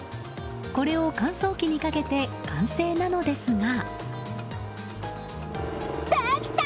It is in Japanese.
これを乾燥機にかけて完成なのですが。